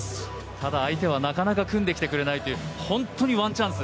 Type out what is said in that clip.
ただ、相手はなかなか組んできてくれないという本当にワンチャンス